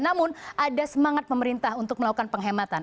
namun ada semangat pemerintah untuk melakukan penghematan